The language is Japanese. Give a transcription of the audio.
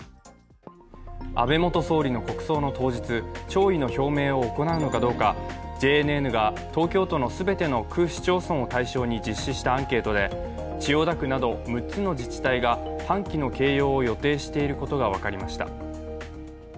安倍元総理の国葬の当日、弔意の表明を行うのかどうか、ＪＮＮが東京都の全ての区市町村を対象に実施したアンケートで千代田区など６つの自治体が半旗の掲揚を予定していることが分かりました。